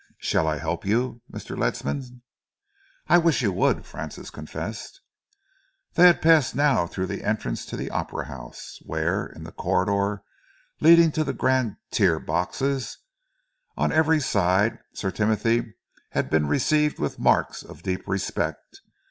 Shall I help you, Mr. Ledsam?" "I wish you would," Francis confessed. They had passed now through the entrance to the Opera House and were in the corridor leading to the grand tier boxes. On every side Sir Timothy had been received with marks of deep respect.